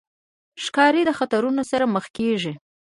ښکاري د خطرونو سره مخ کېږي.